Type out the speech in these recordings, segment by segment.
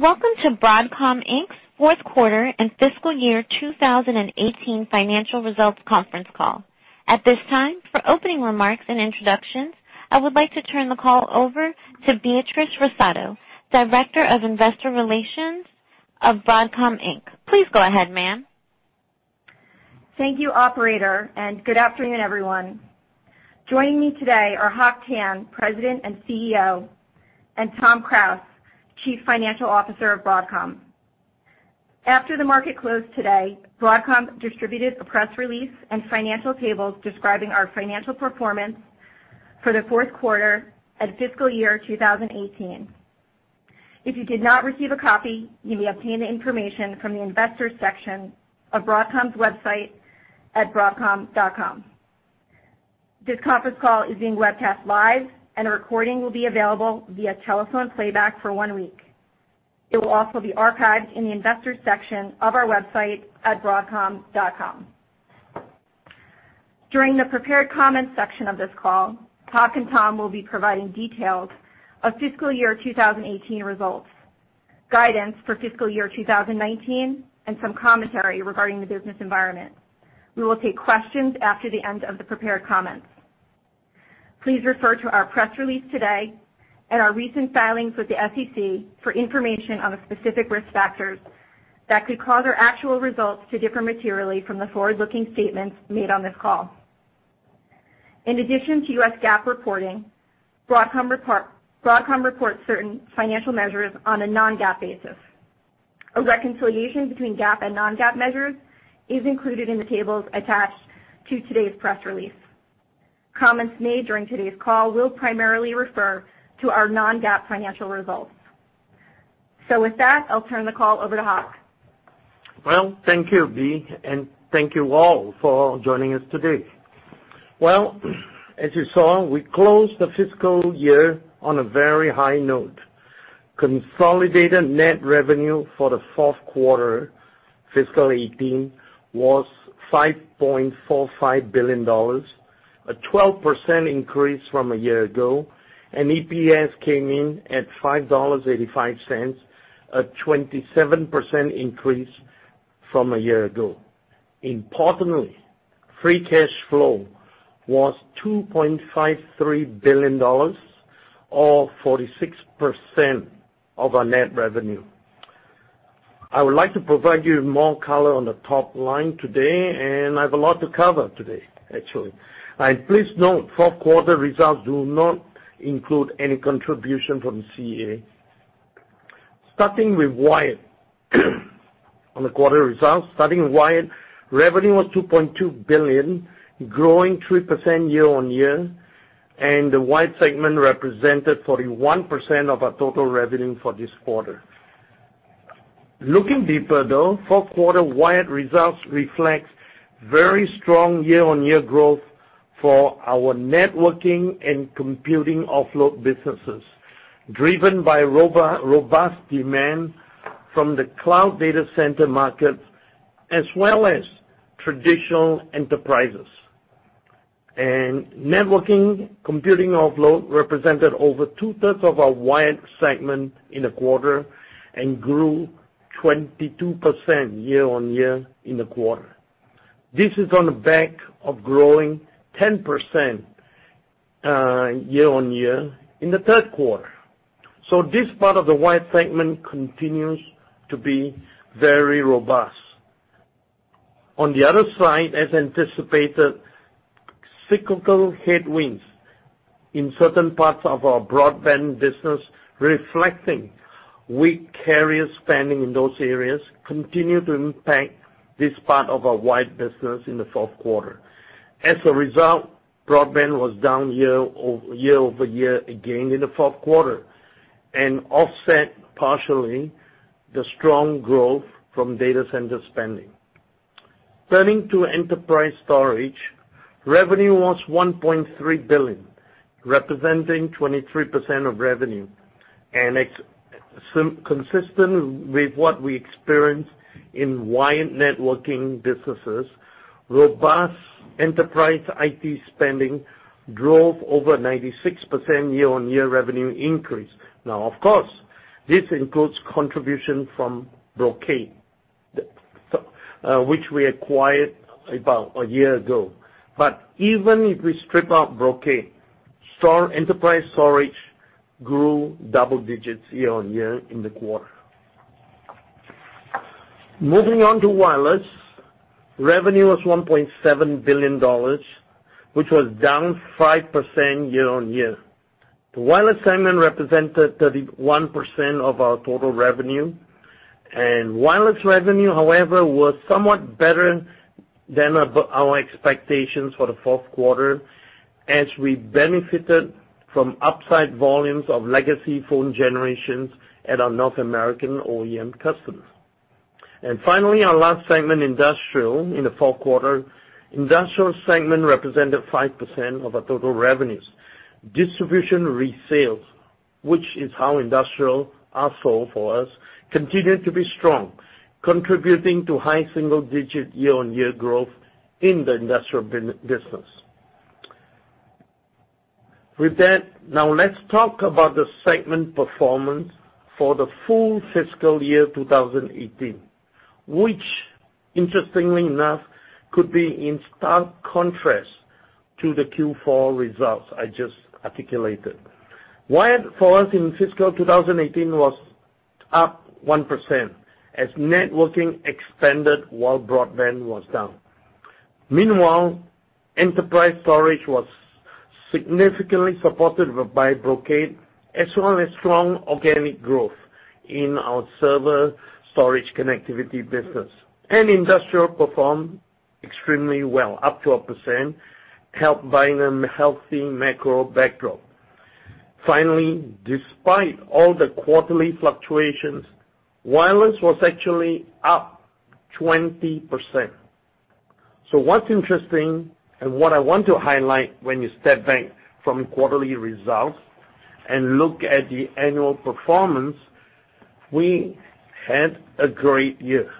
Welcome to Broadcom Inc.'s fourth quarter and fiscal year 2018 financial results conference call. At this time, for opening remarks and introductions, I would like to turn the call over to Beatrice Russotto, Director of Investor Relations of Broadcom Inc. Please go ahead, ma'am. Thank you, operator, and good afternoon, everyone. Joining me today are Hock Tan, President and CEO, and Tom Krause, Chief Financial Officer of Broadcom. After the market closed today, Broadcom distributed a press release and financial tables describing our financial performance for the fourth quarter and fiscal year 2018. If you did not receive a copy, you may obtain the information from the Investors section of Broadcom's website at broadcom.com. This conference call is being webcast live, and a recording will be available via telephone playback for one week. It will also be archived in the Investors section of our website at broadcom.com. During the prepared comments section of this call, Hock and Tom will be providing details of fiscal year 2018 results, guidance for fiscal year 2019, and some commentary regarding the business environment. We will take questions after the end of the prepared comments. Please refer to our press release today and our recent filings with the SEC for information on the specific risk factors that could cause our actual results to differ materially from the forward-looking statements made on this call. In addition to U.S. GAAP reporting, Broadcom reports certain financial measures on a non-GAAP basis. A reconciliation between GAAP and non-GAAP measures is included in the tables attached to today's press release. Comments made during today's call will primarily refer to our non-GAAP financial results. With that, I'll turn the call over to Hock. Well, thank you, Bea, and thank you all for joining us today. Well, as you saw, we closed the fiscal year on a very high note. Consolidated net revenue for the fourth quarter fiscal year 2018 was $5.45 billion, a 12% increase from a year ago, and EPS came in at $5.85, a 27% increase from a year ago. Importantly, free cash flow was $2.53 billion, or 46% of our net revenue. I would like to provide you more color on the top line today, and I have a lot to cover today, actually. Please note, fourth quarter results do not include any contribution from CA. Starting with wired. On the quarter results, starting with wired, revenue was $2.2 billion, growing 3% year-over-year, and the wired segment represented 41% of our total revenue for this quarter. Looking deeper, though, fourth quarter wired results reflect very strong year-on-year growth for our networking and computing offload businesses, driven by robust demand from the cloud data center markets, as well as traditional enterprises. Networking computing offload represented over two-thirds of our wired segment in the quarter and grew 22% year-on-year in the quarter. This is on the back of growing 10% year-on-year in the third quarter. This part of the wired segment continues to be very robust. On the other side, as anticipated, cyclical headwinds in certain parts of our broadband business reflecting weak carrier spending in those areas continued to impact this part of our wired business in the fourth quarter. As a result, broadband was down year-over-year again in the fourth quarter and offset partially the strong growth from data center spending. Turning to enterprise storage, revenue was $1.3 billion, representing 23% of revenue. It's consistent with what we experienced in wired networking businesses. Robust enterprise IT spending drove over 96% year-on-year revenue increase. Now, of course, this includes contribution from Brocade, which we acquired about a year ago. Even if we strip out Brocade, enterprise storage grew double digits year-on-year in the quarter. Moving on to wireless. Revenue was $1.7 billion, which was down 5% year-on-year. The wireless segment represented 31% of our total revenue. Wireless revenue, however, was somewhat better than our expectations for the fourth quarter as we benefited from upside volumes of legacy phone generations at our North American OEM customers. Finally, our last segment, industrial, in the fourth quarter. Industrial segment represented 5% of our total revenues. Distribution resales, which is how industrial are sold for us, continued to be strong, contributing to high single-digit year-on-year growth in the industrial business. With that, now let's talk about the segment performance for the full fiscal year 2018, which interestingly enough, could be in stark contrast to the Q4 results I just articulated. Wired for us in fiscal 2018 was up 1% as networking expanded while broadband was down. Meanwhile, enterprise storage was significantly supported by Brocade as well as strong organic growth in our server storage connectivity business. Industrial performed extremely well, up 12%, helped by a healthy macro backdrop. Finally, despite all the quarterly fluctuations, wireless was actually up 20%. What's interesting and what I want to highlight when you step back from quarterly results and look at the annual performance, we had a great year.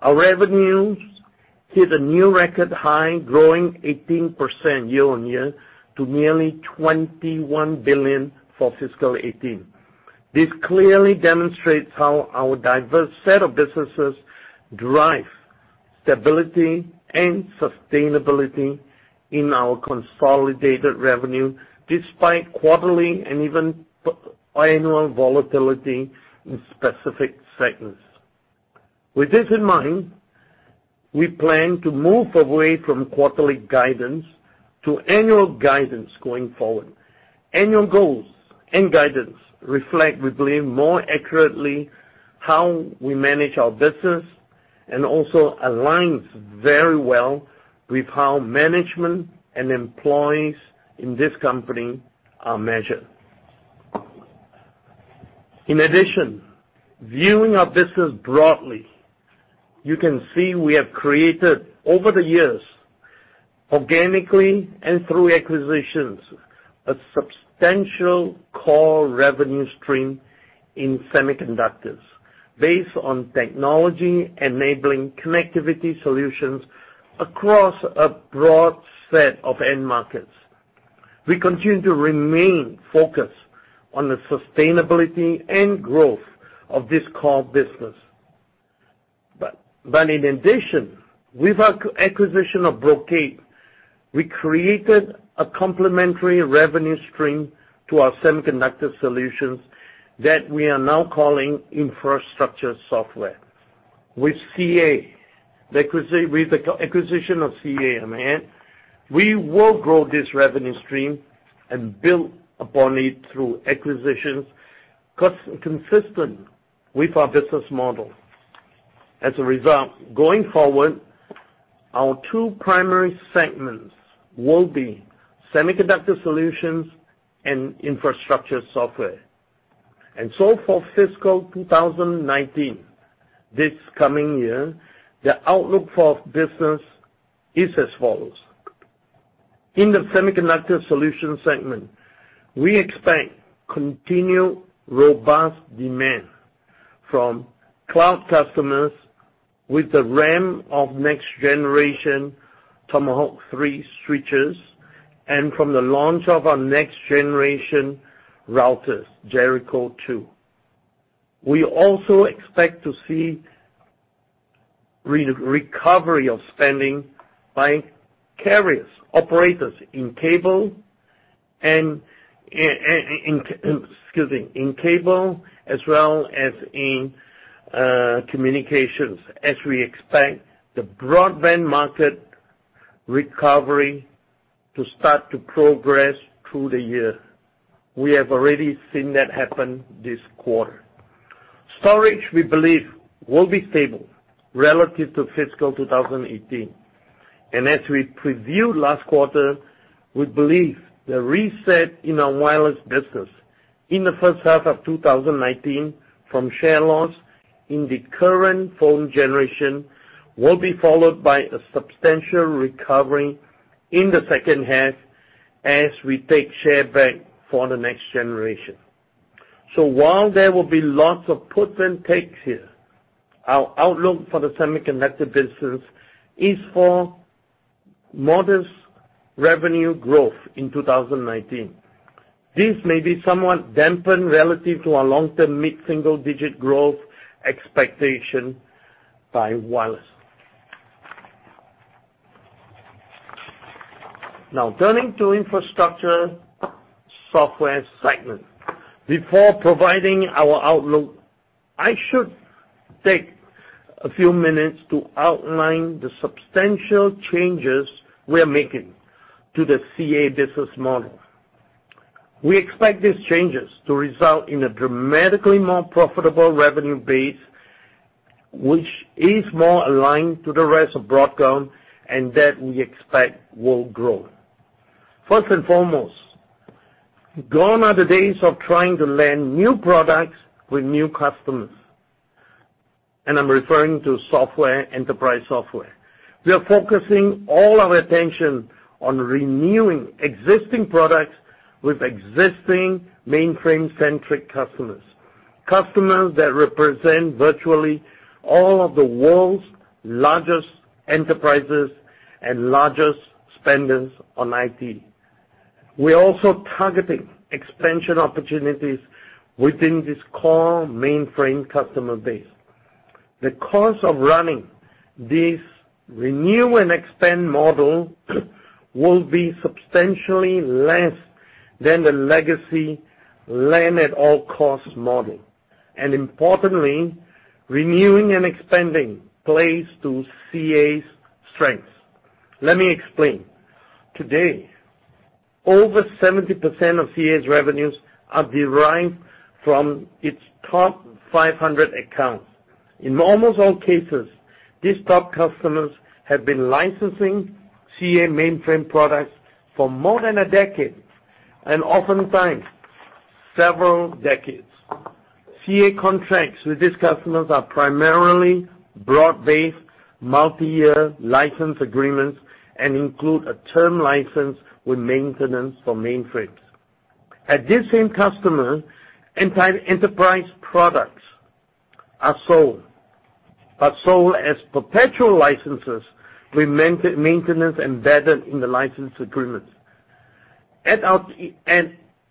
Our revenues hit a new record high, growing 18% year-on-year to nearly $21 billion for fiscal 2018. This clearly demonstrates how our diverse set of businesses drive stability and sustainability in our consolidated revenue, despite quarterly and even annual volatility in specific segments. With this in mind, we plan to move away from quarterly guidance to annual guidance going forward. Annual goals and guidance reflect, we believe, more accurately how we manage our business and also aligns very well with how management and employees in this company are measured. In addition, viewing our business broadly, you can see we have created over the years, organically and through acquisitions, a substantial core revenue stream in semiconductors based on technology enabling connectivity solutions across a broad set of end markets. We continue to remain focused on the sustainability and growth of this core business. In addition, with our acquisition of Brocade, we created a complementary revenue stream to our semiconductor solutions that we are now calling infrastructure software. With CA, with the acquisition of CA, I meant, we will grow this revenue stream and build upon it through acquisitions consistent with our business model. As a result, going forward, our two primary segments will be semiconductor solutions and infrastructure software. For fiscal 2019, this coming year, the outlook for business is as follows. In the semiconductor solutions segment, we expect continued robust demand from cloud customers with the ramp of next generation Tomahawk 3 switches and from the launch of our next generation routers, Jericho 2. We also expect to see recovery of spending by carriers, operators in cable and, excuse me, in cable as well as in communications as we expect the broadband market recovery to start to progress through the year. We have already seen that happen this quarter. Storage, we believe, will be stable relative to fiscal 2018. As we previewed last quarter, we believe the reset in our wireless business in the first half of 2019 from share loss in the current phone generation will be followed by a substantial recovery in the second half as we take share back for the next generation. While there will be lots of puts and takes here, our outlook for the semiconductor business is for modest revenue growth in 2019. This may be somewhat dampened relative to our long-term mid-single-digit growth expectation by wireless. Turning to infrastructure software segment. Before providing our outlook, I should take a few minutes to outline the substantial changes we are making to the CA business model. We expect these changes to result in a dramatically more profitable revenue base, which is more aligned to the rest of Broadcom and that we expect will grow. First and foremost, gone are the days of trying to land new products with new customers, and I'm referring to software, enterprise software. We are focusing all our attention on renewing existing products with existing mainframe-centric customers that represent virtually all of the world's largest enterprises and largest spenders on IT. We're also targeting expansion opportunities within this core mainframe customer base. The cost of running this renew and expand model will be substantially less than the legacy land-at-all-costs model. Importantly, renewing and expanding plays to CA's strengths. Let me explain. Today, over 70% of CA's revenues are derived from its top 500 accounts. In almost all cases, these top customers have been licensing CA mainframe products for more than a decade, and oftentimes, several decades. CA contracts with these customers are primarily broad-based, multi-year license agreements and include a term license with maintenance for mainframes. At this same customer, entire enterprise products are sold, are sold as perpetual licenses with maintenance embedded in the license agreements. At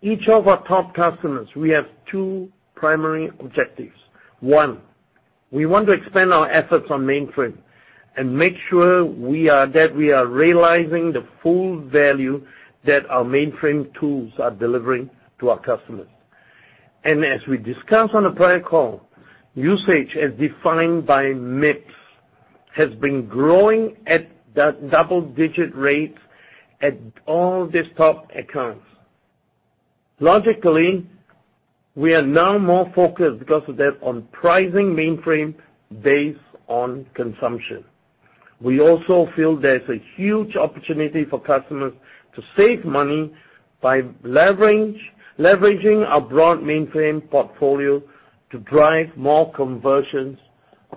each of our top customers, we have two primary objectives. One, we want to expand our efforts on mainframe and make sure that we are realizing the full value that our mainframe tools are delivering to our customers. As we discussed on the prior call, usage as defined by MIPS has been growing at double-digit rates at all these top accounts. We are now more focused because of that on pricing mainframe based on consumption. We also feel there's a huge opportunity for customers to save money by leveraging our broad mainframe portfolio to drive more conversions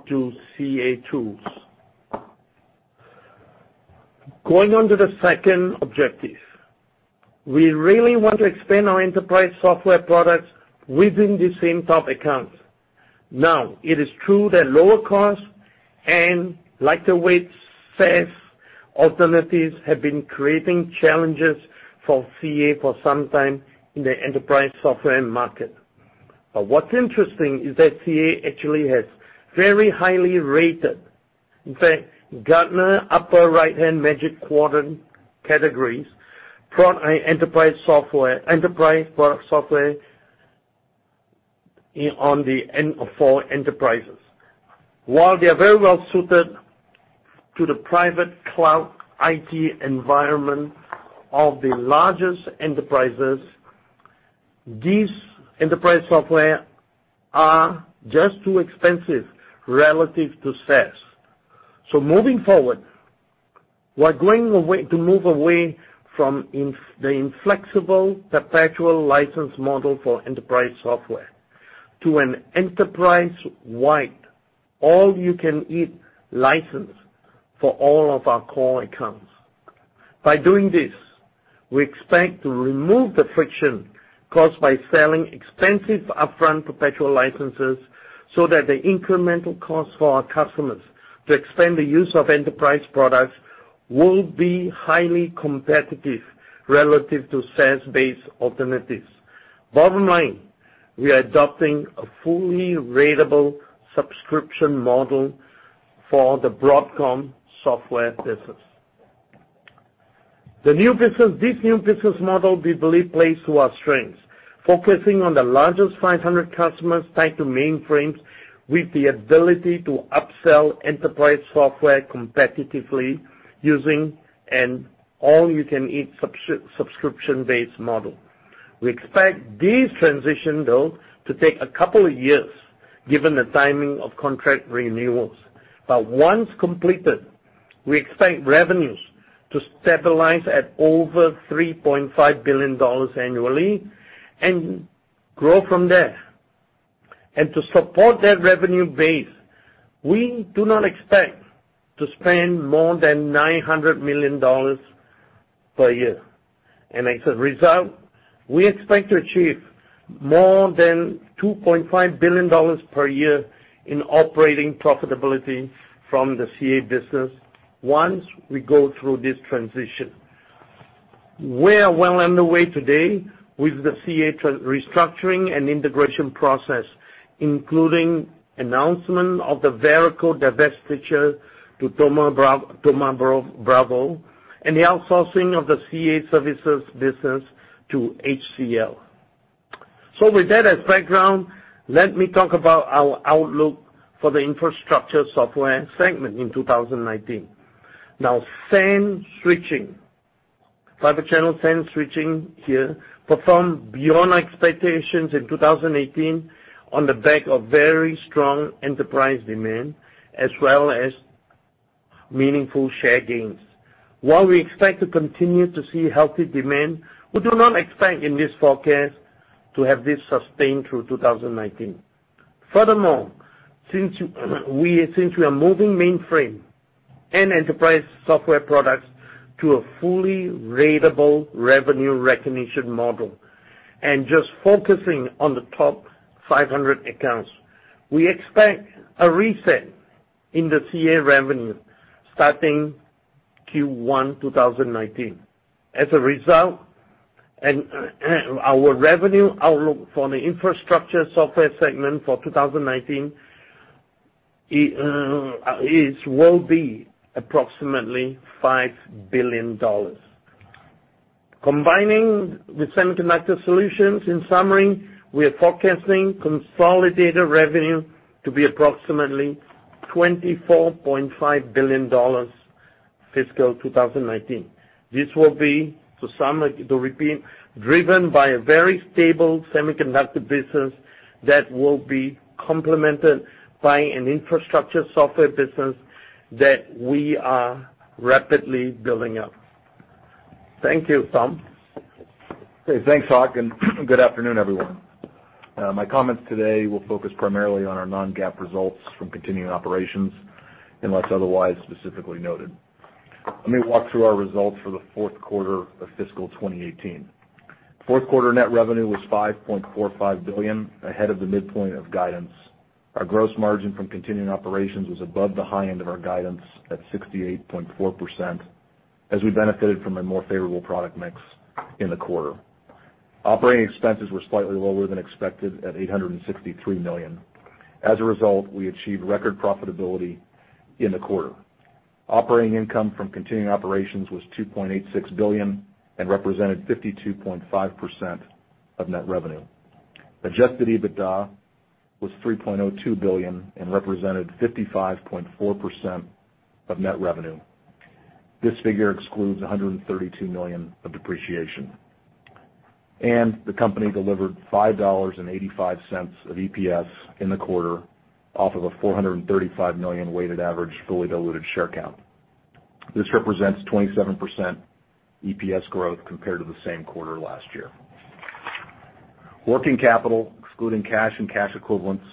to CA Technologies tools. Going on to the second objective. We really want to expand our enterprise software products within the same top accounts. It is true that lower cost and lighter-weight SaaS alternatives have been creating challenges for CA Technologies for some time in the enterprise software market. What's interesting is that CA Technologies actually has very highly rated, in fact, Gartner upper right-hand Magic Quadrant categories, enterprise software only three or four enterprises. While they are very well-suited to the private cloud IT environment of the largest enterprises, these enterprise software are just too expensive relative to SaaS. Moving forward, we're going to move away from the inflexible perpetual license model for enterprise software to an enterprise-wide, all-you-can-eat license for all of our core accounts. By doing this, we expect to remove the friction caused by selling expensive upfront perpetual licenses so that the incremental cost for our customers to expand the use of enterprise products will be highly competitive relative to SaaS-based alternatives. Bottom line, we are adopting a fully ratable subscription model for the Broadcom software business. This new business model, we believe, plays to our strengths, focusing on the largest 500 customers tied to mainframes with the ability to upsell enterprise software competitively using an all-you-can-eat subscription-based model. We expect this transition, though, to take a couple of years, given the timing of contract renewals. Once completed, we expect revenues to stabilize at over $3.5 billion annually and grow from there. To support that revenue base, we do not expect to spend more than $900 million per year. As a result, we expect to achieve more than $2.5 billion per year in operating profitability from the CA Technologies business once we go through this transition. We are well underway today with the CA Technologies restructuring and integration process, including announcement of the Veracode divestiture to Thoma Bravo and the outsourcing of the CA Technologies Services business to HCL Technologies. With that as background, let me talk about our outlook for the infrastructure software segment in 2019. SAN switching, fiber channel SAN switching here performed beyond expectations in 2018 on the back of very strong enterprise demand as well as meaningful share gains. While we expect to continue to see healthy demand, we do not expect in this forecast to have this sustained through 2019. Furthermore, since we are moving mainframe and enterprise software products to a fully ratable revenue recognition model and just focusing on the top 500 accounts. We expect a reset in the CA Technologies revenue starting Q1 2019. As a result, our revenue outlook for the infrastructure software segment for 2019 will be approximately $5 billion. Combining with Semiconductor Solutions, in summary, we are forecasting consolidated revenue to be approximately $24.5 billion fiscal 2019. This will be driven by a very stable semiconductor business that will be complemented by an infrastructure software business that we are rapidly building up. Thank you. Tom? Okay, thanks, Hock. Good afternoon, everyone. My comments today will focus primarily on our non-GAAP results from continuing operations, unless otherwise specifically noted. Let me walk through our results for the fourth quarter of fiscal 2018. Fourth quarter net revenue was $5.45 billion, ahead of the midpoint of guidance. Our gross margin from continuing operations was above the high end of our guidance at 68.4%, as we benefited from a more favorable product mix in the quarter. Operating expenses were slightly lower than expected at $863 million. As a result, we achieved record profitability in the quarter. Operating income from continuing operations was $2.86 billion and represented 52.5% of net revenue. Adjusted EBITDA was $3.02 billion and represented 55.4% of net revenue. This figure excludes $132 million of depreciation. The company delivered $5.85 of EPS in the quarter off of a 435 million weighted average fully diluted share count. This represents 27% EPS growth compared to the same quarter last year. Working capital, excluding cash and cash equivalents,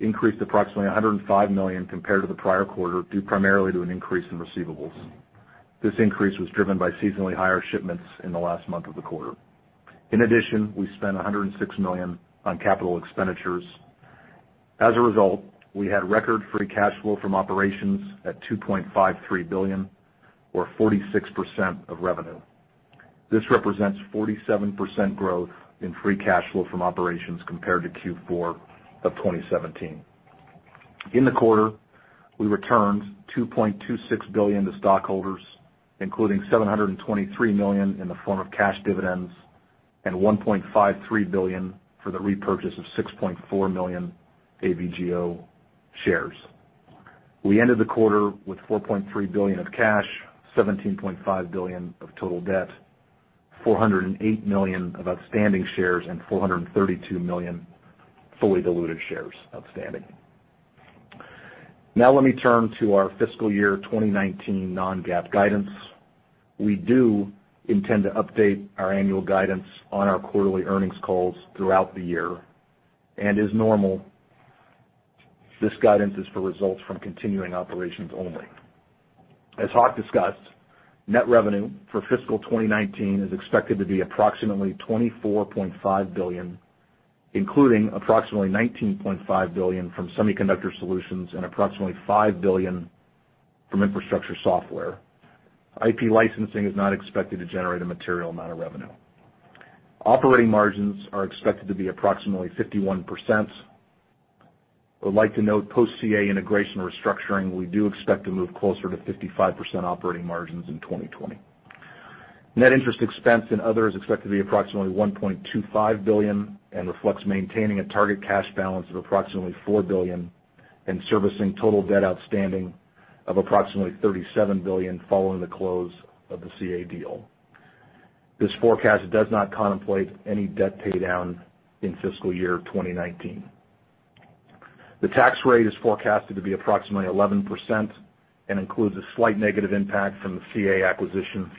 increased approximately $105 million compared to the prior quarter, due primarily to an increase in receivables. This increase was driven by seasonally higher shipments in the last month of the quarter. In addition, we spent $106 million on capital expenditures. As a result, we had record free cash flow from operations at $2.53 billion, or 46% of revenue. This represents 47% growth in free cash flow from operations compared to Q4 of 2017. In the quarter, we returned $2.26 billion to stockholders, including $723 million in the form of cash dividends and $1.53 billion for the repurchase of 6.4 million AVGO shares. We ended the quarter with $4.3 billion of cash, $17.5 billion of total debt, 408 million of outstanding shares, and 432 million fully diluted shares outstanding. Let me turn to our fiscal year 2019 non-GAAP guidance. We do intend to update our annual guidance on our quarterly earnings calls throughout the year. As normal, this guidance is for results from continuing operations only. As Hock discussed, net revenue for fiscal 2019 is expected to be approximately $24.5 billion, including approximately $19.5 billion from Semiconductor Solutions and approximately $5 billion from infrastructure software. IP licensing is not expected to generate a material amount of revenue. Operating margins are expected to be approximately 51%. I would like to note post-CA integration restructuring, we do expect to move closer to 55% operating margins in 2020. Net interest expense and other is expected to be approximately $1.25 billion and reflects maintaining a target cash balance of approximately $4 billion and servicing total debt outstanding of approximately $37 billion following the close of the CA deal. This forecast does not contemplate any debt paydown in fiscal year 2019. The tax rate is forecasted to be approximately 11% and includes a slight negative impact from the CA acquisition.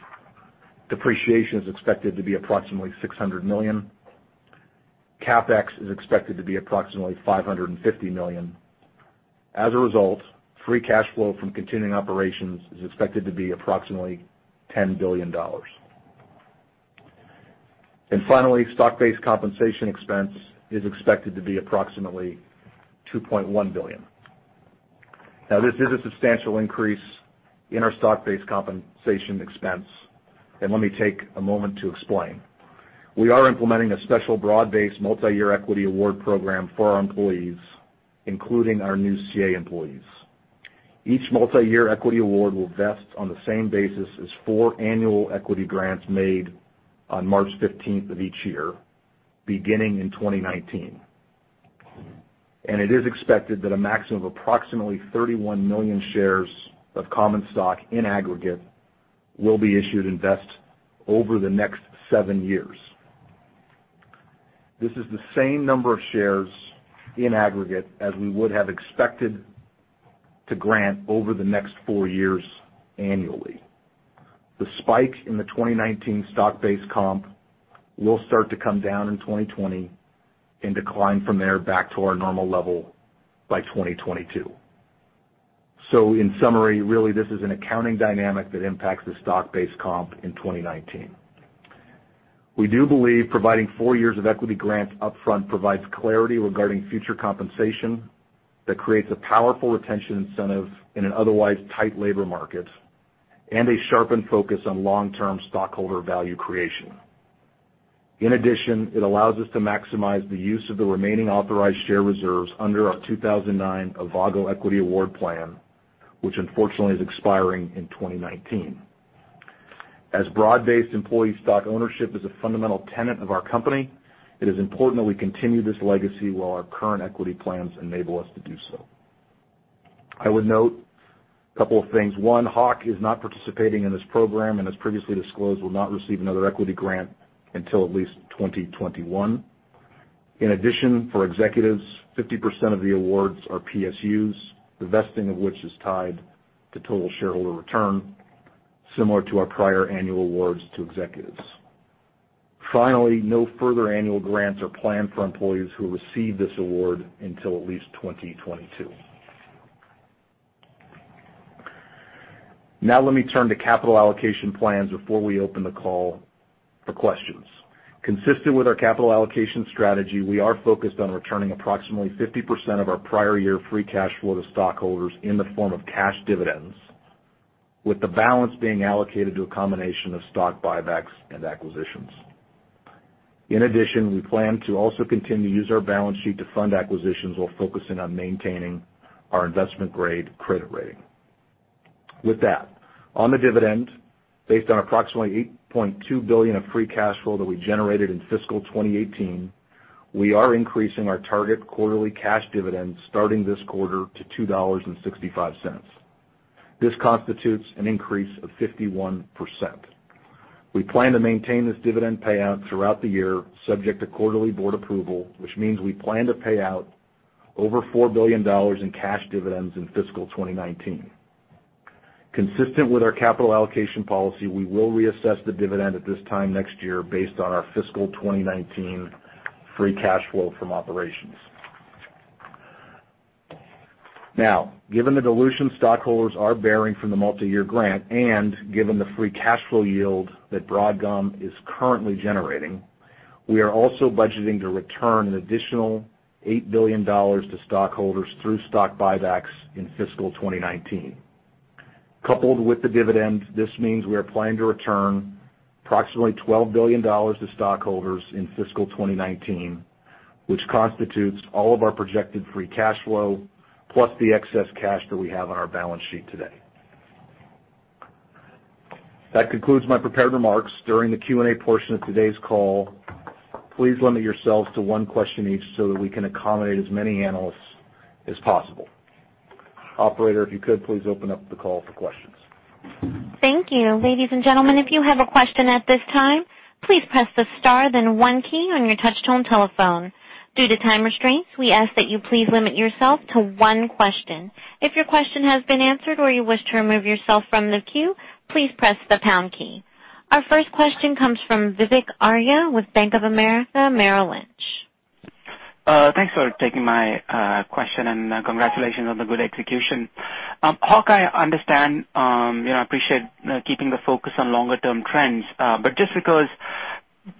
Depreciation is expected to be approximately $600 million. CapEx is expected to be approximately $550 million. As a result, free cash flow from continuing operations is expected to be approximately $10 billion. Finally, stock-based compensation expense is expected to be approximately $2.1 billion. This is a substantial increase in our stock-based compensation expense, let me take a moment to explain. We are implementing a special broad-based multi-year equity award program for our employees, including our new CA employees. Each multi-year equity award will vest on the same basis as four annual equity grants made on March 15th of each year, beginning in 2019. It is expected that a maximum of approximately 31 million shares of common stock, in aggregate, will be issued in vest over the next seven years. This is the same number of shares in aggregate as we would have expected to grant over the next four years annually. The spike in the 2019 stock-based comp will start to come down in 2020 and decline from there back to our normal level by 2022. In summary, really, this is an accounting dynamic that impacts the stock-based comp in 2019. We do believe providing four years of equity grants upfront provides clarity regarding future compensation that creates a powerful retention incentive in an otherwise tight labor market and a sharpened focus on long-term stockholder value creation. In addition, it allows us to maximize the use of the remaining authorized share reserves under our 2009 Avago Equity Award plan, which unfortunately is expiring in 2019. As broad-based employee stock ownership is a fundamental tenet of our company, it is important that we continue this legacy while our current equity plans enable us to do so. I would note a couple of things. One, Hock is not participating in this program, and as previously disclosed, will not receive another equity grant until at least 2021. In addition, for executives, 50% of the awards are PSUs, the vesting of which is tied to total shareholder return, similar to our prior annual awards to executives. Finally, no further annual grants are planned for employees who receive this award until at least 2022. Let me turn to capital allocation plans before we open the call for questions. Consistent with our capital allocation strategy, we are focused on returning approximately 50% of our prior year free cash flow to stockholders in the form of cash dividends, with the balance being allocated to a combination of stock buybacks and acquisitions. In addition, we plan to also continue to use our balance sheet to fund acquisitions while focusing on maintaining our investment-grade credit rating. With that, on the dividend, based on approximately $8.2 billion of free cash flow that we generated in fiscal 2018, we are increasing our target quarterly cash dividend starting this quarter to $2.65. This constitutes an increase of 51%. We plan to maintain this dividend payout throughout the year, subject to quarterly board approval, which means we plan to pay out over $4 billion in cash dividends in fiscal 2019. Consistent with our capital allocation policy, we will reassess the dividend at this time next year based on our fiscal 2019 free cash flow from operations. Given the dilution stockholders are bearing from the multi-year grant, and given the free cash flow yield that Broadcom is currently generating, we are also budgeting to return an additional $8 billion to stockholders through stock buybacks in fiscal 2019. Coupled with the dividend, this means we are planning to return approximately $12 billion to stockholders in fiscal 2019, which constitutes all of our projected free cash flow, plus the excess cash that we have on our balance sheet today. That concludes my prepared remarks. During the Q&A portion of today's call, please limit yourselves to one question each so that we can accommodate as many analysts as possible. Operator, if you could, please open up the call for questions. Thank you. Ladies and gentlemen, if you have a question at this time, please press the star then one key on your touchtone telephone. Due to time restraints, we ask that you please limit yourself to one question. If your question has been answered or you wish to remove yourself from the queue, please press the pound key. Our first question comes from Vivek Arya with Bank of America Merrill Lynch. Thanks for taking my question. Congratulations on the good execution. Hock, I understand, I appreciate keeping the focus on longer-term trends. Just because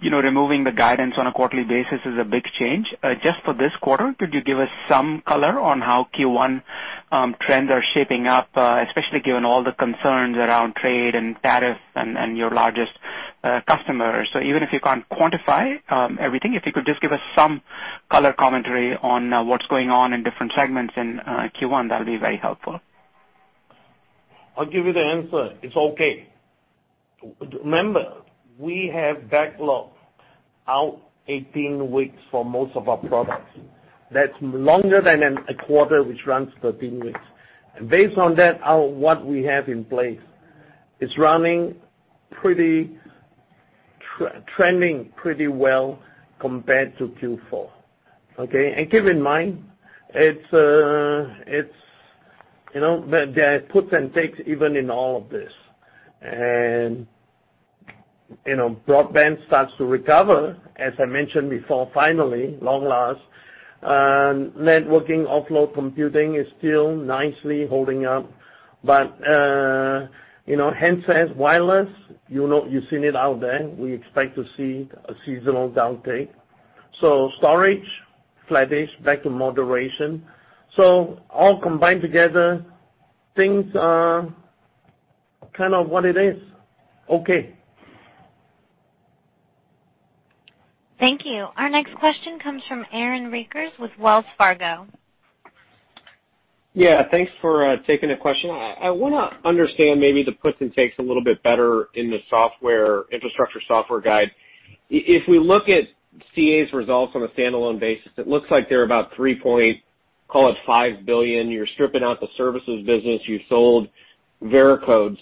removing the guidance on a quarterly basis is a big change, just for this quarter, could you give us some color on how Q1 trends are shaping up, especially given all the concerns around trade and tariff and your largest customers? Even if you can't quantify everything, if you could just give us some color commentary on what's going on in different segments in Q1, that'd be very helpful. I'll give you the answer. It's okay. Remember, we have backlog out 18 weeks for most of our products. That's longer than a quarter, which runs 13 weeks. Based on that, what we have in place, it's trending pretty well compared to Q4, okay? Keep in mind, there are puts and takes even in all of this. Broadband starts to recover, as I mentioned before, finally, long last. Networking, offload computing is still nicely holding up. Handsets, wireless, you've seen it out there. We expect to see a seasonal downtake. Storage, flattish, back to moderation. All combined together, things are kind of what it is. Okay. Thank you. Our next question comes from Aaron Rakers with Wells Fargo. Yeah, thanks for taking the question. I want to understand maybe the puts and takes a little bit better in the infrastructure software guide. If we look at CA's results on a standalone basis, it looks like they're about $3.5 billion. You're stripping out the services business. You sold Veracode.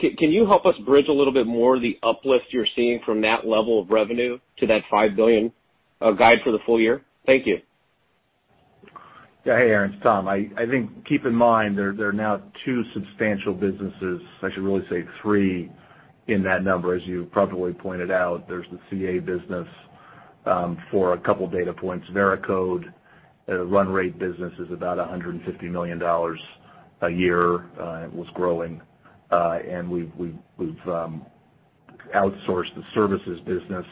Can you help us bridge a little bit more the uplift you're seeing from that level of revenue to that $5 billion guide for the full year? Thank you. Yeah. Hey, Aaron, it's Tom. I think keep in mind there are now two substantial businesses, I should really say three in that number, as you probably pointed out. There's the CA business for a couple of data points. Veracode run rate business is about $150 million a year. It was growing, and we've outsourced the services business,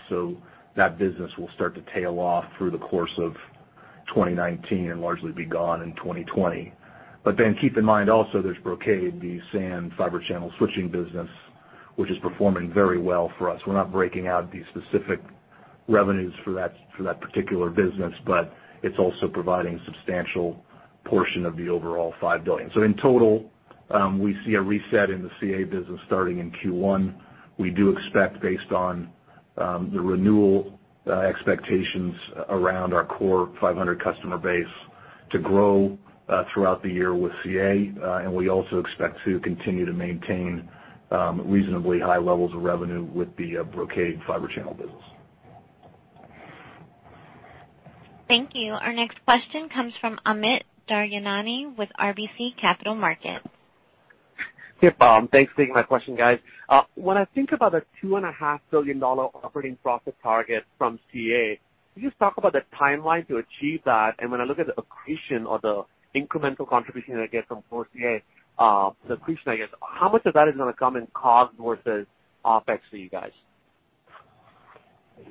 that business will start to tail off through the course of 2019 and largely be gone in 2020. Keep in mind also there's Brocade, the SAN fiber channel switching business, which is performing very well for us. We're not breaking out the specific revenues for that particular business, it's also providing substantial portion of the overall $5 billion. In total, we see a reset in the CA business starting in Q1. We do expect, based on the renewal expectations around our core 500 customer base, to grow throughout the year with CA. We also expect to continue to maintain reasonably high levels of revenue with the Brocade fiber channel business. Thank you. Our next question comes from Amit Daryanani with RBC Capital Markets. Hey, Tom. Thanks for taking my question, guys. When I think about a $2.5 billion operating profit target from CA, can you just talk about the timeline to achieve that? When I look at the accretion or the incremental contribution I get from core CA, the accretion, I guess, how much of that is going to come in cost versus OpEx for you guys?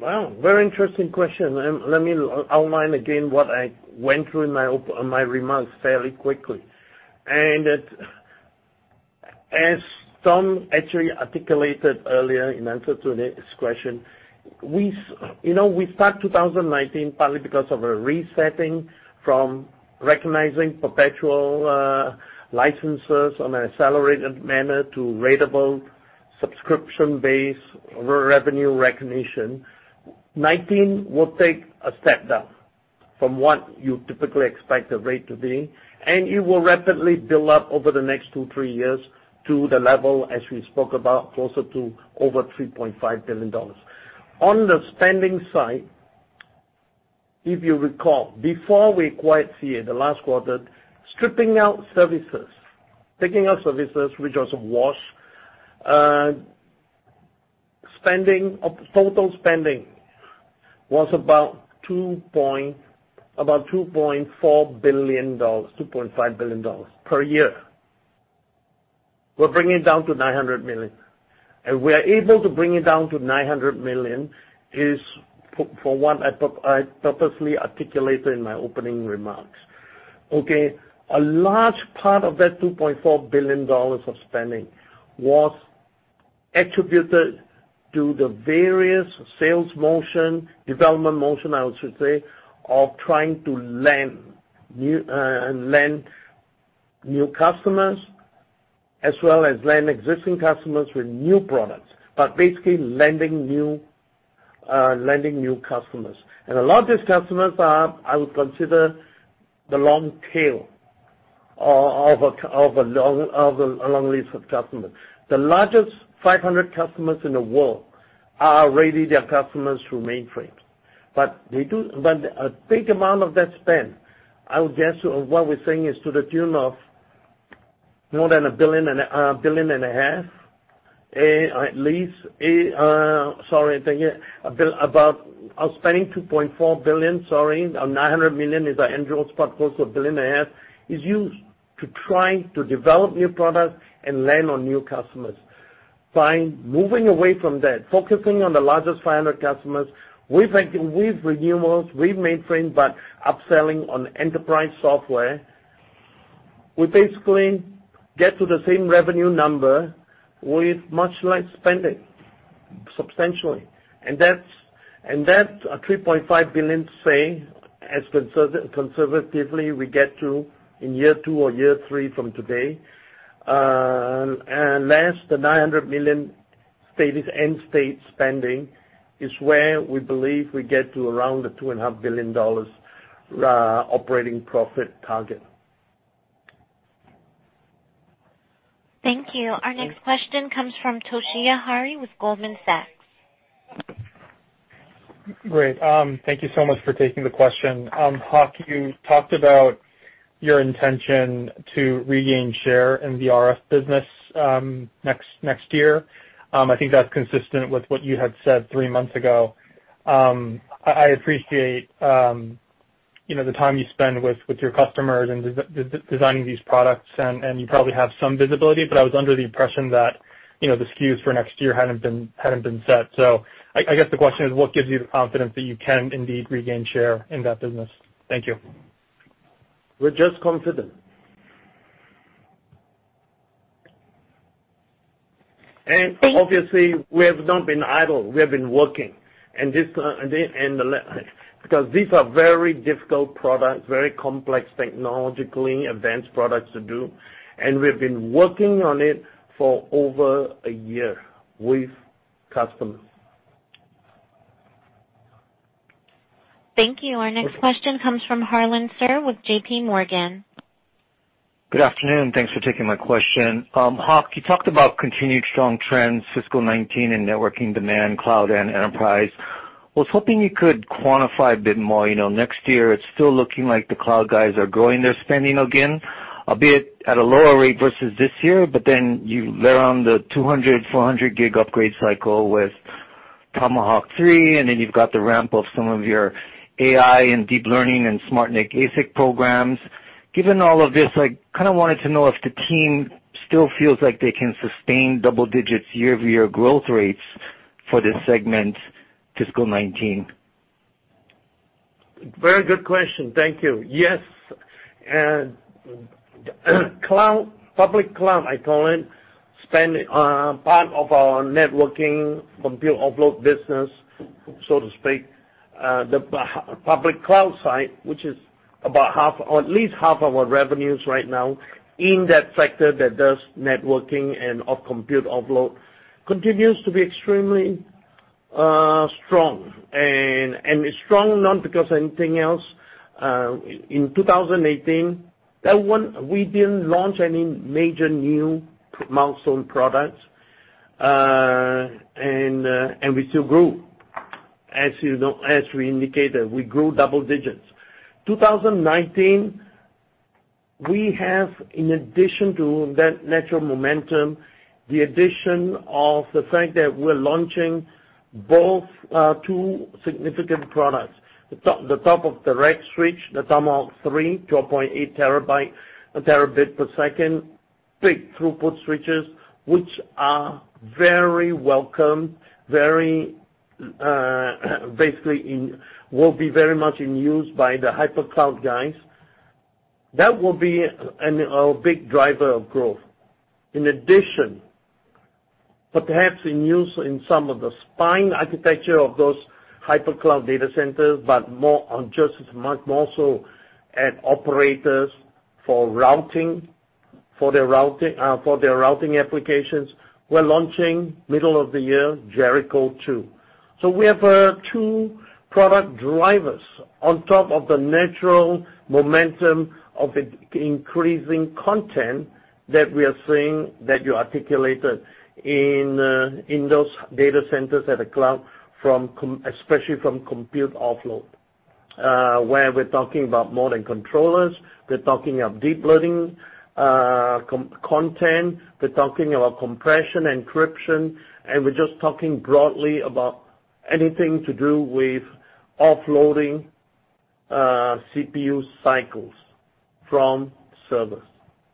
Well, very interesting question, let me outline again what I went through in my remarks fairly quickly. As Tom actually articulated earlier in answer to Aaron's question, we start 2019 partly because of a resetting from recognizing perpetual licenses on an accelerated manner to ratable subscription-based revenue recognition. 2019 will take a step down from what you typically expect the rate to be, and it will rapidly build up over the next two, three years to the level as we spoke about, closer to over $3.5 billion. On the spending side, if you recall, before we acquired CA the last quarter, stripping out services, taking out services, which was a wash, total spending was about $2.4 billion, $2.5 billion per year. We're bringing it down to $900 million, we're able to bring it down to $900 million is for what I purposely articulated in my opening remarks. Okay, a large part of that $2.4 billion of spending was attributed to the various sales motion, development motion, I should say, of trying to land new customers as well as land existing customers with new products, but basically landing new customers. A lot of these customers are, I would consider the long tail of a long list of customers. The largest 500 customers in the world are already their customers through mainframes. A big amount of that spend, I would guess what we're saying is to the tune of more than a billion and a half, at least. Sorry. About spending $2.4 billion, sorry, $900 million is our annual spot cost of a billion and a half is used to try to develop new products and land on new customers. By moving away from that, focusing on the largest 500 customers with renewals, with mainframe, but upselling on enterprise software, we basically get to the same revenue number with much less spending, substantially. That's a $3.5 billion say as conservatively we get to in year two or year three from today. Less the $900 million end-state spending is where we believe we get to around the $2.5 billion operating profit target. Thank you. Our next question comes from Toshiya Hari with Goldman Sachs. Great. Thank you so much for taking the question. Hock, you talked about your intention to regain share in the RF business next year. I think that's consistent with what you had said three months ago. I appreciate the time you spend with your customers and designing these products, and you probably have some visibility, but I was under the impression that the SKUs for next year hadn't been set. I guess the question is, what gives you the confidence that you can indeed regain share in that business? Thank you. We're just confident. Obviously, we have not been idle. We have been working. Because these are very difficult products, very complex technologically advanced products to do, and we've been working on it for over a year with customers. Thank you. Our next question comes from Harlan Sur with J.P. Morgan. Good afternoon. Thanks for taking my question. Hock, you talked about continued strong trends fiscal 2019 in networking demand, cloud and enterprise. I was hoping you could quantify a bit more. Next year, it's still looking like the cloud guys are growing their spending again, albeit at a lower rate versus this year. You layer on the 200, 400 gig upgrade cycle with Tomahawk 3, and then you've got the ramp of some of your AI and deep learning and SmartNIC ASIC programs. Given all of this, I wanted to know if the team still feels like they can sustain double digits year-over-year growth rates for this segment fiscal 2019. Very good question. Thank you. Yes. Public cloud, I call it, part of our networking compute offload business, so to speak. The public cloud side, which is about at least half of our revenues right now in that sector that does networking and off compute offload, continues to be extremely strong. It's strong not because anything else. In 2018, we didn't launch any major new milestone products, and we still grew. As we indicated, we grew double digits. 2019, we have, in addition to that natural momentum, the addition of the fact that we're launching both two significant products. The top of the rack switch, the Tomahawk 3, 12.8 terabit per second, big throughput switches, which are very welcome. Basically, will be very much in use by the hypercloud guys. That will be a big driver of growth. In addition, perhaps in use in some of the spine architecture of those hypercloud data centers, but more so at operators for their routing applications. We're launching middle of the year, Jericho2. We have two product drivers on top of the natural momentum of increasing content that we are seeing that you articulated in those data centers at the cloud, especially from compute offload, where we're talking about more than controllers. We're talking of deep learning content. We're talking about compression, encryption, and we're just talking broadly about anything to do with offloading CPU cycles from servers.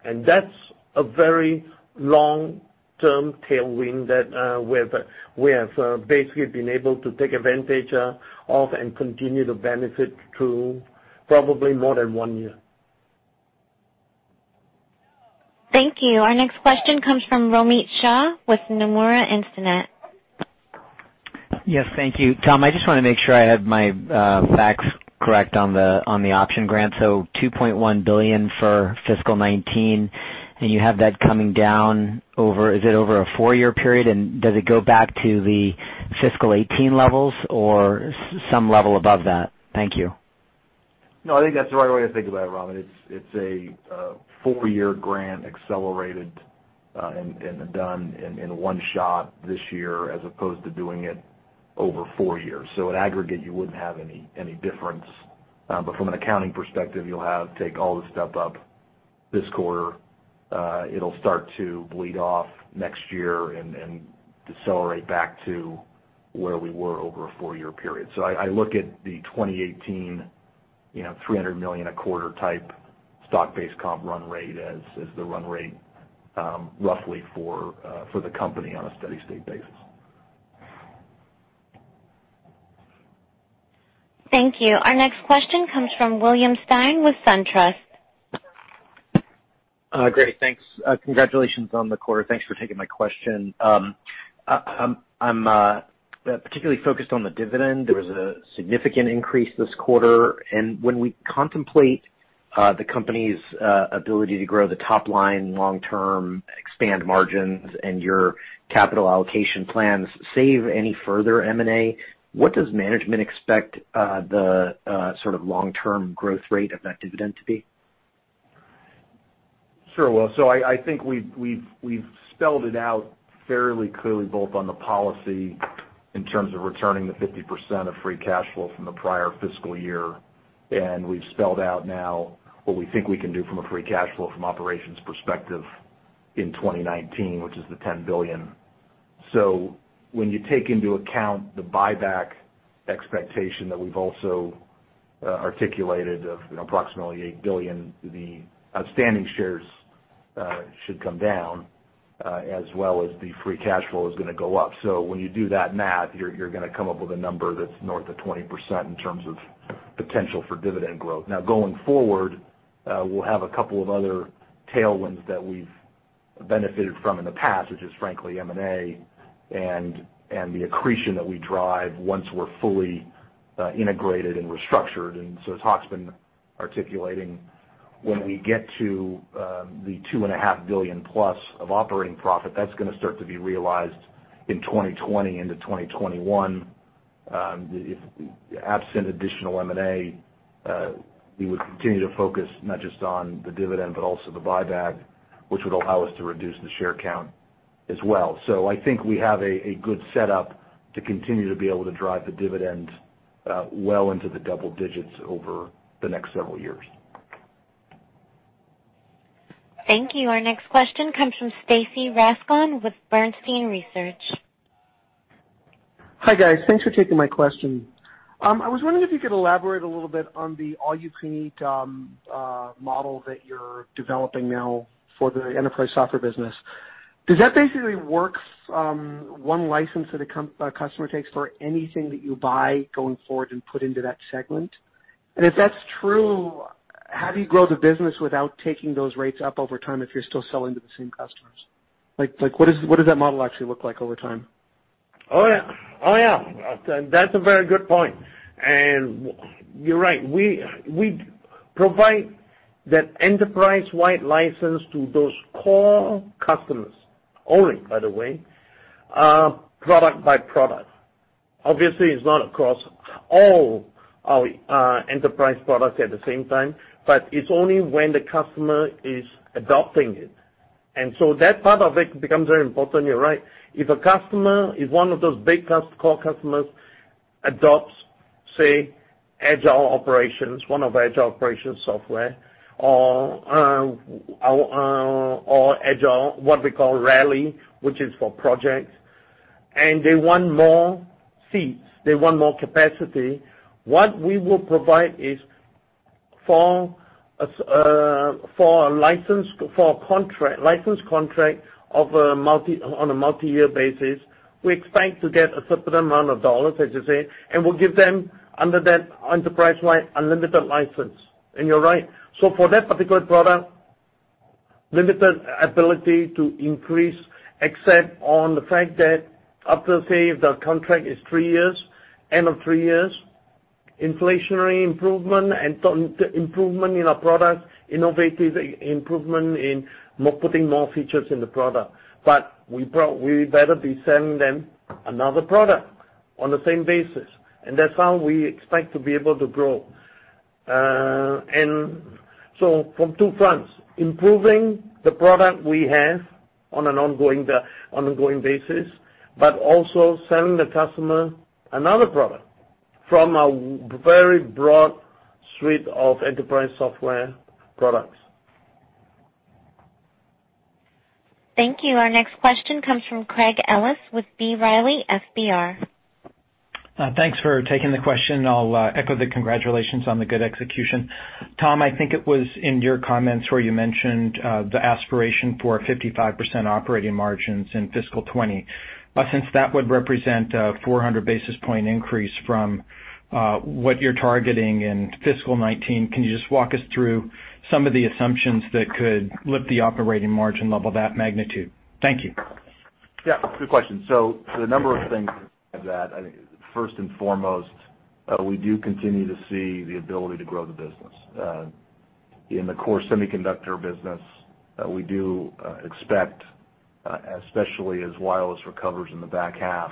That's a very long-term tailwind that we have basically been able to take advantage of and continue to benefit through probably more than one year. Thank you. Our next question comes from Romit Shah with Nomura Instinet. Yes, thank you. Tom, I just want to make sure I have my facts correct on the option grant. $2.1 billion for fiscal 2019, you have that coming down, is it over a four-year period? Does it go back to the fiscal 2018 levels or some level above that? Thank you. No, I think that's the right way to think about it, Romit. It's a four-year grant accelerated and done in one shot this year as opposed to doing it over four years. In aggregate, you wouldn't have any difference. From an accounting perspective, you'll have take all the stuff up this quarter. It'll start to bleed off next year and decelerate back to where we were over a four-year period. I look at the 2018, $300 million a quarter type stock-based comp run rate as the run rate roughly for the company on a steady state basis. Thank you. Our next question comes from William Stein with SunTrust. Great. Thanks. Congratulations on the quarter. Thanks for taking my question. I'm particularly focused on the dividend. There was a significant increase this quarter. When we contemplate the company's ability to grow the top line long-term, expand margins and your capital allocation plans save any further M&A, what does management expect the long-term growth rate of that dividend to be? Sure. Well, I think we've spelled it out fairly clearly, both on the policy in terms of returning the 50% of free cash flow from the prior fiscal year, and we've spelled out now what we think we can do from a free cash flow from operations perspective in 2019, which is the $10 billion. When you take into account the buyback expectation that we've also articulated of approximately $8 billion, the outstanding shares should come down as well as the free cash flow is going to go up. When you do that math, you're going to come up with a number that's north of 20% in terms of potential for dividend growth. Now, going forward, we'll have a couple of other tailwinds that we've benefited from in the past, which is frankly M&A and the accretion that we drive once we're fully integrated and restructured. As Hock's been articulating, when we get to the $2.5 billion plus of operating profit, that's going to start to be realized in 2020 into 2021. Absent additional M&A, we would continue to focus not just on the dividend, but also the buyback, which would allow us to reduce the share count as well. I think we have a good setup to continue to be able to drive the dividend well into the double digits over the next several years. Thank you. Our next question comes from Stacy Rasgon with Bernstein Research. Hi, guys. Thanks for taking my question. I was wondering if you could elaborate a little bit on the all-you-can-eat model that you're developing now for the enterprise software business. Does that basically work from one license that a customer takes for anything that you buy going forward and put into that segment? If that's true, how do you grow the business without taking those rates up over time if you're still selling to the same customers? What does that model actually look like over time? Oh, yeah. That's a very good point. You're right. We provide that enterprise-wide license to those core customers only, by the way, product by product. Obviously, it's not across all our enterprise products at the same time, but it's only when the customer is adopting it. That part of it becomes very important, you're right. If a customer, if one of those big core customers adopts, say, Agile Operations, one of our Agile Operations software or Agile, what we call Rally, which is for projects, and they want more seats, they want more capacity, what we will provide is for a license contract on a multi-year basis, we expect to get a certain amount of dollars, as you say, and we'll give them, under that enterprise-wide, unlimited license. You're right. For that particular product, limited ability to increase except on the fact that after, say, if the contract is three years, end of three years, inflationary improvement and improvement in our product, innovative improvement in putting more features in the product. We better be selling them another product on the same basis, and that's how we expect to be able to grow. From two fronts, improving the product we have on an ongoing basis, but also selling the customer another product from a very broad suite of enterprise software products. Thank you. Our next question comes from Craig Ellis with B. Riley FBR. Thanks for taking the question. I'll echo the congratulations on the good execution. Tom, I think it was in your comments where you mentioned, the aspiration for 55% operating margins in fiscal 2020. Since that would represent a 400 basis point increase from what you're targeting in fiscal 2019, can you just walk us through some of the assumptions that could lift the operating margin level that magnitude? Thank you. Yeah, good question. There are a number of things to that. I think, first and foremost, we do continue to see the ability to grow the business. In the core semiconductor business, we do expect, especially as wireless recovers in the back half,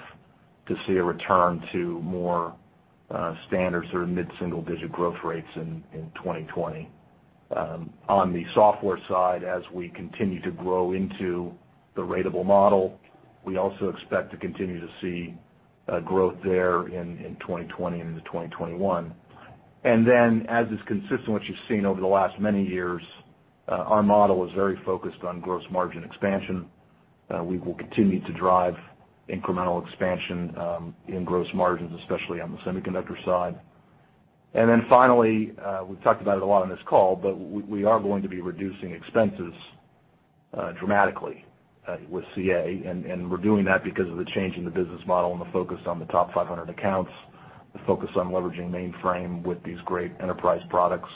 to see a return to more standard, mid-single-digit growth rates in 2020. On the software side, as we continue to grow into the ratable model, we also expect to continue to see growth there in 2020 into 2021. As is consistent with what you've seen over the last many years, our model is very focused on gross margin expansion. We will continue to drive incremental expansion in gross margins, especially on the semiconductor side. Finally, we've talked about it a lot on this call, but we are going to be reducing expenses dramatically with CA, and we're doing that because of the change in the business model and the focus on the top 500 accounts, the focus on leveraging mainframe with these great enterprise products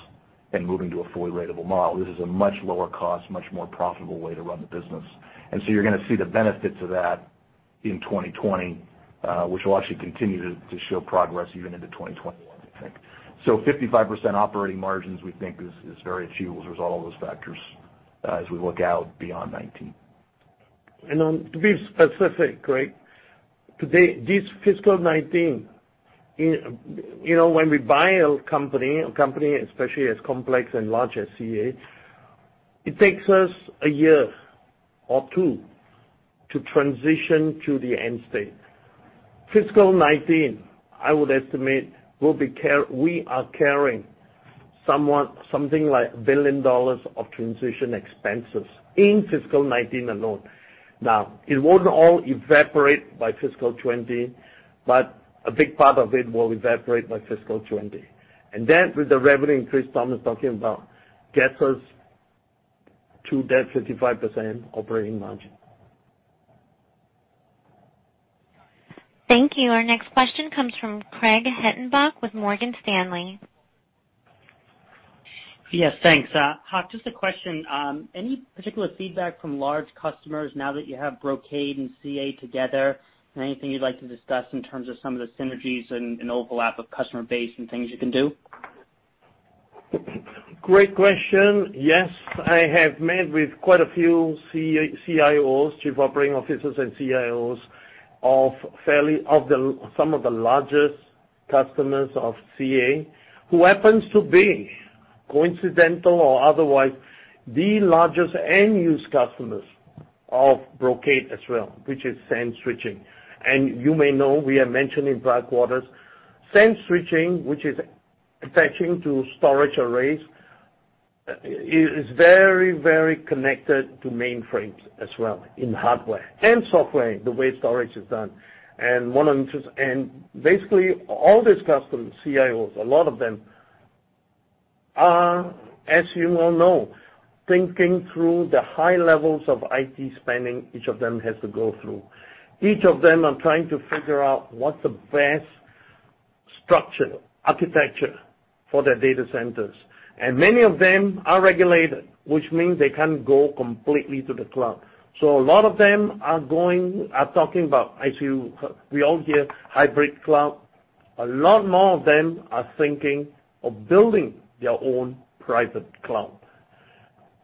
and moving to a fully ratable model. This is a much lower cost, much more profitable way to run the business. You're going to see the benefits of that in 2020, which will actually continue to show progress even into 2021, I think. 55% operating margins, we think is very achievable as a result of those factors as we look out beyond 2019. To be specific, Craig, today, this fiscal 2019, when we buy a company, especially as complex and large as CA, it takes us a year or two to transition to the end state. Fiscal 2019, I would estimate, we are carrying something like $1 billion of transition expenses in fiscal 2019 alone. It won't all evaporate by fiscal 2020, but a big part of it will evaporate by fiscal 2020. That, with the revenue increase Tom is talking about, gets us to that 55% operating margin. Thank you. Our next question comes from Craig Hettenbach with Morgan Stanley. Yes, thanks. Hock, just a question. Any particular feedback from large customers now that you have Brocade and CA together? Anything you'd like to discuss in terms of some of the synergies and overlap of customer base and things you can do? Great question. Yes, I have met with quite a few CIOs, chief operating officers and CIOs of some of the largest customers of CA, who happens to be coincidental or otherwise the largest end-use customers of Brocade as well, which is SAN switching. You may know we have mentioned in white papers, SAN switching, which is attaching to storage arrays, is very connected to mainframes as well in hardware and software, the way storage is done. Basically all these customers, CIOs, a lot of them are, as you well know, thinking through the high levels of IT spending each of them has to go through. Each of them are trying to figure out what's the best structure, architecture for their data centers. Many of them are regulated, which means they can't go completely to the cloud. A lot of them are talking about, as we all hear, hybrid cloud. A lot more of them are thinking of building their own private cloud.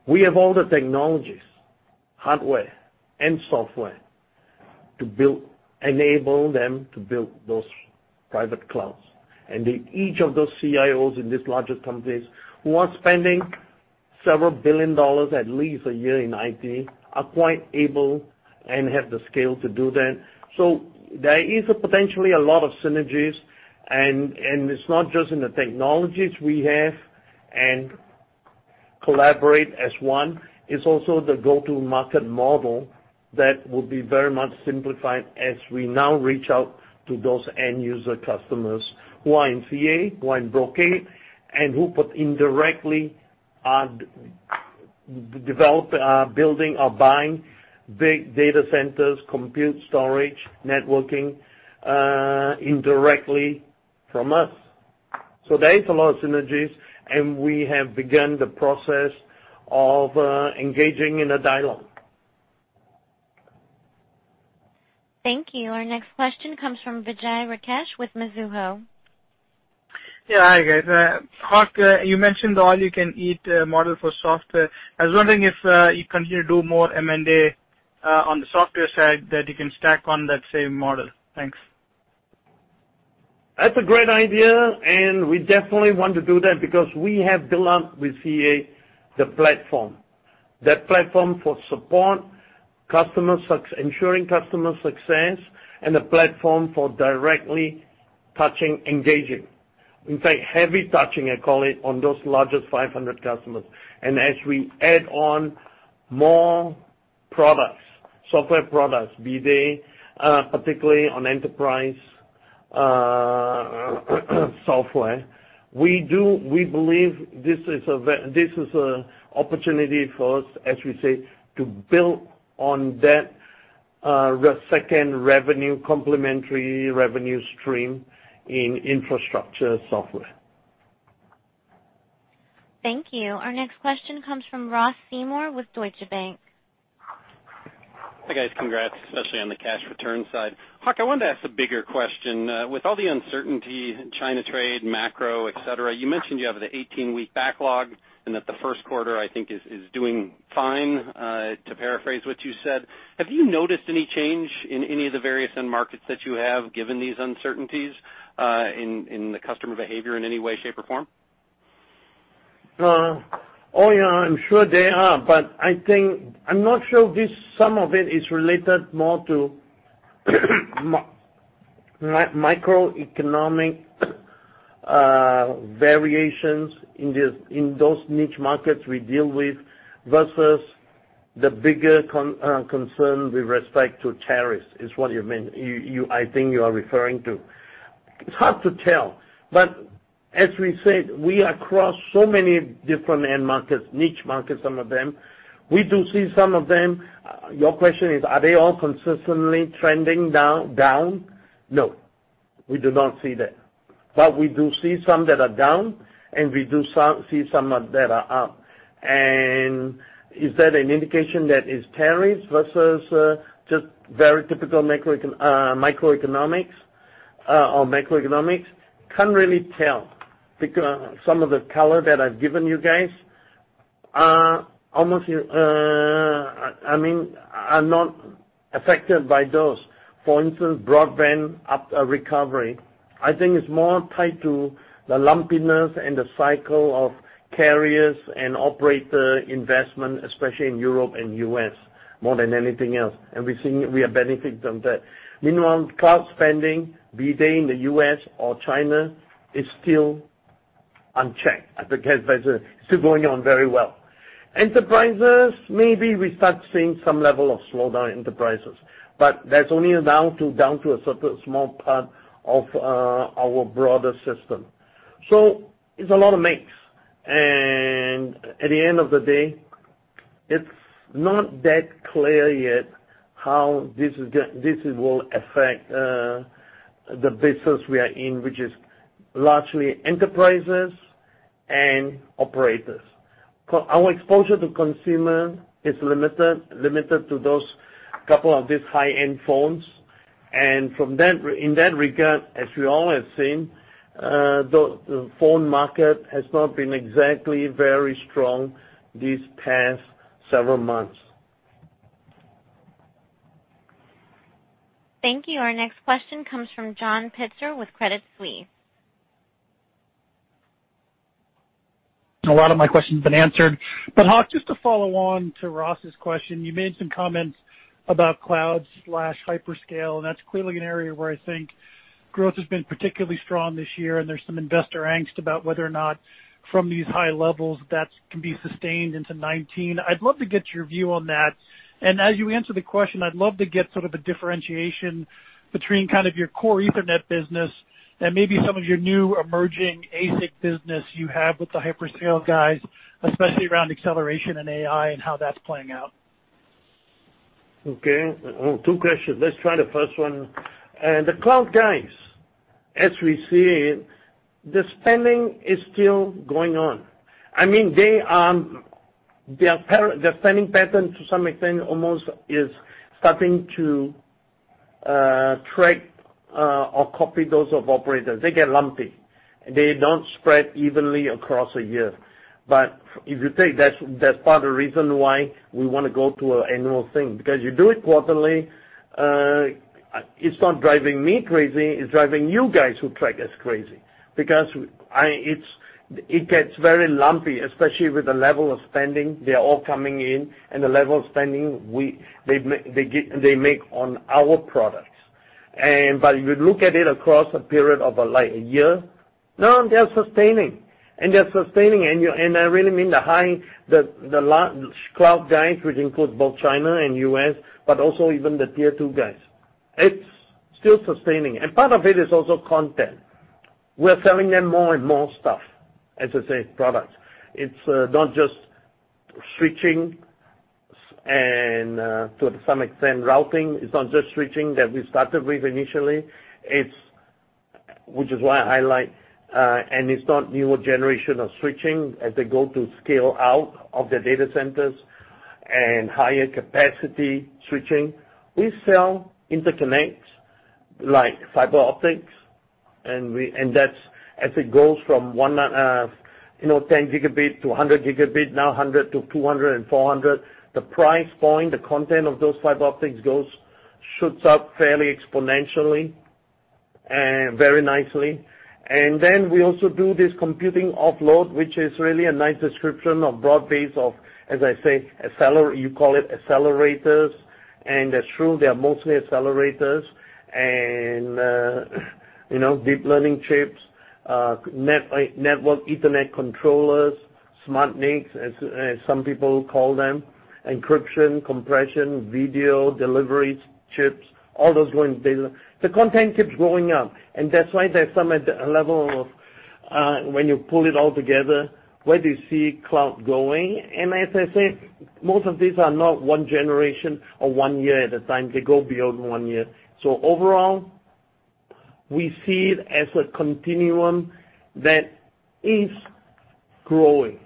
We have all the technologies, hardware and software, to enable them to build those private clouds. Each of those CIOs in these larger companies who are spending $several billion at least a year in IT, are quite able and have the scale to do that. There is potentially a lot of synergies, and it's not just in the technologies we have and collaborate as one. It's also the go-to market model that will be very much simplified as we now reach out to those end user customers who are in CA, who are in Brocade, and who put indirectly are building or buying big data centers, compute storage, networking, indirectly from us. There is a lot of synergies, and we have begun the process of engaging in a dialogue. Thank you. Our next question comes from Vijay Rakesh with Mizuho. Yeah. Hi, guys. Hock, you mentioned the all-you-can-eat model for software. I was wondering if you can do more M&A on the software side that you can stack on that same model. Thanks. That's a great idea, and we definitely want to do that because we have built up with CA the platform. That platform for support, ensuring customer success, and the platform for directly touching, engaging. In fact, heavy touching, I call it, on those largest 500 customers. As we add on more software products, be they particularly on enterprise software, we believe this is an opportunity for us, as we say, to build on that second revenue, complementary revenue stream in infrastructure software. Thank you. Our next question comes from Ross Seymore with Deutsche Bank. Hi, guys. Congrats, especially on the cash return side. Hock, I wanted to ask a bigger question. With all the uncertainty in China trade, macro, et cetera, you mentioned you have the 18-week backlog and that the first quarter, I think, is doing fine, to paraphrase what you said. Have you noticed any change in any of the various end markets that you have, given these uncertainties in the customer behavior in any way, shape, or form? Oh, yeah, I'm sure they are, I'm not sure if some of it is related more to microeconomic variations in those niche markets we deal with versus the bigger concern with respect to tariffs, is what I think you are referring to. It's hard to tell, as we said, we are across so many different end markets, niche markets some of them. We do see some of them. Your question is, are they all consistently trending down? No. We do not see that. We do see some that are down, and we do see some that are up. Is that an indication that it's tariffs versus just very typical macroeconomics? Can't really tell. Some of the color that I've given you guys are not affected by those. For instance, broadband recovery. I think it's more tied to the lumpiness and the cycle of carriers and operator investment, especially in Europe and U.S., more than anything else. We are benefiting from that. Meanwhile, cloud spending, be they in the U.S. or China, is still unchecked. I think as I said, still going on very well. Enterprises, maybe we start seeing some level of slowdown enterprises, that's only down to a small part of our broader system. It's a lot of mix. At the end of the day, it's not that clear yet how this will affect the business we are in, which is largely enterprises and operators. Our exposure to consumer is limited to those couple of these high-end phones. In that regard, as we all have seen, the phone market has not been exactly very strong these past several months. Thank you. Our next question comes from John Pitzer with Credit Suisse. A lot of my question's been answered. Hock, just to follow on to Ross's question, you made some comments about cloud/hyperscale, and that's clearly an area where I think growth has been particularly strong this year, and there's some investor angst about whether or not from these high levels that can be sustained into 2019. I'd love to get your view on that. As you answer the question, I'd love to get sort of a differentiation between kind of your core Ethernet business and maybe some of your new emerging ASIC business you have with the hyperscale guys, especially around acceleration and AI and how that's playing out. Okay. Two questions. Let's try the first one. The cloud guys, as we see it, the spending is still going on. Their spending pattern to some extent almost is starting to track or copy those of operators. They get lumpy. They don't spread evenly across a year. If you take that's part of the reason why we want to go to an annual thing, because you do it quarterly, it's not driving me crazy, it's driving you guys who track us crazy because it gets very lumpy, especially with the level of spending. They're all coming in, and the level of spending they make on our products. If you look at it across a period of a year, no, they're sustaining. They're sustaining, and I really mean the large cloud guys, which include both China and U.S., but also even the tier 2 guys. It's still sustaining. Part of it is also content. We're selling them more and more stuff, as I say, products. It's not just switching and to some extent routing. It's not just switching that we started with initially, which is why I highlight, and it's not newer generation of switching as they go to scale out of their data centers and higher capacity switching. We sell interconnects like fiber optics, as it goes from 10 gigabit to 100 gigabit, now 100 to 200 and 400. The price point, the content of those fiber optics shoots up fairly exponentially and very nicely. We also do this computing offload, which is really a nice description of broad base of, as I say, you call it accelerators, and that's true, they are mostly accelerators and deep learning chips, network Ethernet controllers, SmartNICs, as some people call them, encryption, compression, video delivery chips, all those going. The content keeps going up. That's why there's some level of, when you pull it all together, where do you see cloud going? As I said, most of these are not one generation or one year at a time. They go beyond one year. Overall, we see it as a continuum that is growing.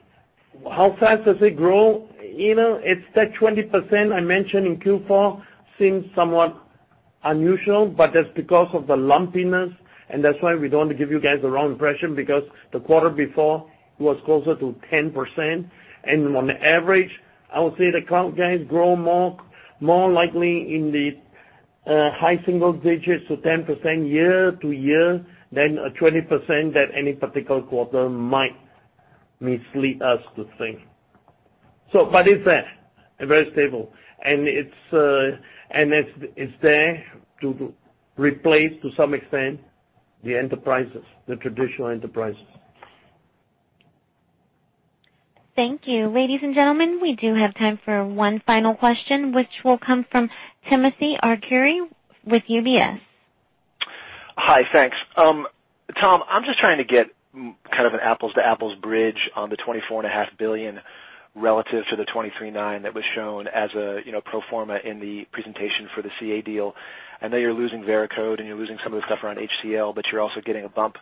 How fast does it grow? It's that 20% I mentioned in Q4 seems somewhat unusual, but that's because of the lumpiness, and that's why we don't give you guys the wrong impression, because the quarter before was closer to 10%. On average, I would say the cloud guys grow more likely in the high single digits to 10% year-to-year than a 20% that any particular quarter might mislead us to think. It's there and very stable, and it's there to replace, to some extent, the enterprises, the traditional enterprises. Thank you. Ladies and gentlemen, we do have time for one final question, which will come from Timothy Arcuri with UBS. Hi. Thanks. Tom, I'm just trying to get kind of an apples-to-apples bridge on the $24.5 billion relative to the $23.9 that was shown as a pro forma in the presentation for the CA deal. I know you're losing Veracode and you're losing some of the stuff around HCL, but you're also getting a bump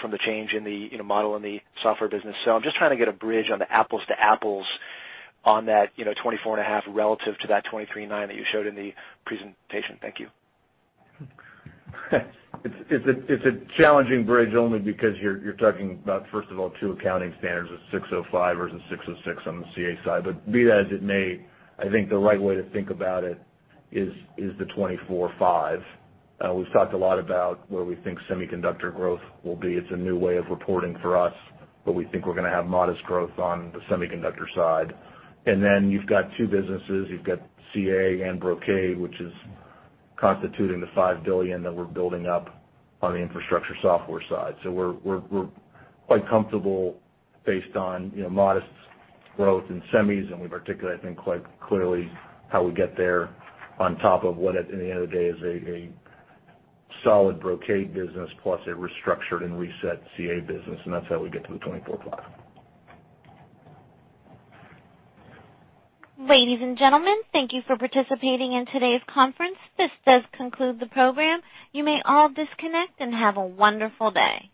from the change in the model in the software business. I'm just trying to get a bridge on the apples-to-apples on that $24.5 relative to that $23.9 that you showed in the presentation. Thank you. It's a challenging bridge only because you're talking about, first of all, two accounting standards, ASC 605 versus ASC 606 on the CA side. Be that as it may, I think the right way to think about it is the $24.5. We've talked a lot about where we think semiconductor growth will be. It's a new way of reporting for us, we think we're going to have modest growth on the semiconductor side. You've got two businesses. You've got CA and Brocade, which is constituting the $5 billion that we're building up on the infrastructure software side. We're quite comfortable based on modest growth in semis, and we've articulated, I think, quite clearly how we get there on top of what at the end of the day is a solid Brocade business plus a restructured and reset CA business, and that's how we get to the $24.5. Ladies and gentlemen, thank you for participating in today's conference. This does conclude the program. You may all disconnect, and have a wonderful day.